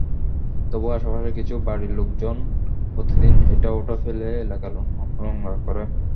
তবু আশপাশের কিছু বাড়ির লোকজন প্রতিদিন এটা-ওটা ফেলে এলাকা নোংরা করে।